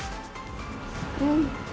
うん！